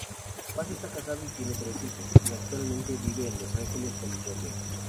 Bas está casado y tiene tres hijos, y actualmente vive en Los Ángeles, California.